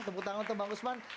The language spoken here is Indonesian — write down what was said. tepuk tangan untuk bang usman